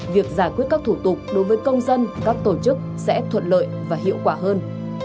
việc giải quyết các thủ tục đối với công dân các tổ chức sẽ thuận lợi và hiệu quả hơn